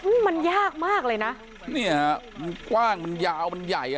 อืมมันยากมากเลยนะเนี่ยมันกว้างมันยาวมันใหญ่อ่ะ